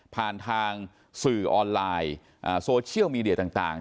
ผ่านทางสื่อออนไลน์โซเชียลมีเดียต่าง